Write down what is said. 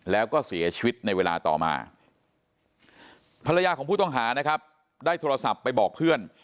แล้วก็เสียชีวิตในเวลาต่อมาภรรยาของผู้ต้องหานะครับได้โทรศัพท์ไปบอกเพื่อน